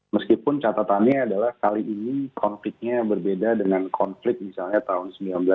meskipun catatannya adalah kali ini konfliknya berbeda dengan konflik misalnya tahun seribu sembilan ratus sembilan puluh